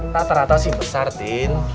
rata rata sih besar tin